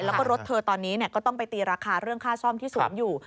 แล้วก็รถเธอตอนนี้ก็ต้องไปตีราคาเรื่องค่าซ่อมที่สูงอยู่